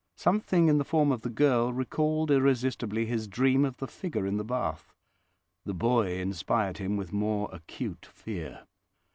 Something in the form of the girl recalled irresistibly his dream of the figure in the bath. The boy inspired him with more acute fear.